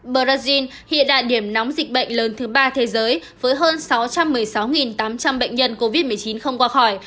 brazil hiện là điểm nóng dịch bệnh lớn thứ ba thế giới với hơn sáu trăm một mươi sáu tám trăm linh bệnh nhân covid một mươi chín không qua khỏi